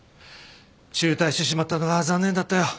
中退してしまったのは残念だったよ。